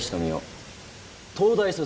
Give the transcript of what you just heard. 東大卒。